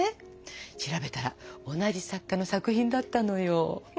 調べたら同じ作家の作品だったのよ。